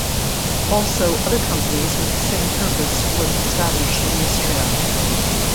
Also other companies with the same purpose were established in Istria.